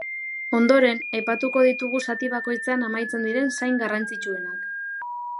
Ondoren, aipatuko ditugu zati bakoitzean amaitzen diren zain garrantzitsuenak.